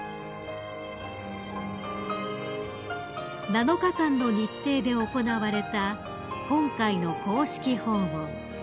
［７日間の日程で行われた今回の公式訪問］